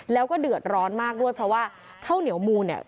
แล้วก็เดือดร้อนมากด้วยเพราะว่าข้าวเหนียวมูลเนี่ย